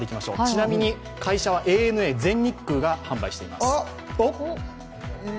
ちなみに会社はＡＮＡ、全日空が販売しています。